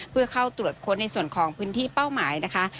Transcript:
เพื่อเข้าตรวจค้นในส่วนของพื้นที่เป้าหมายนะคะ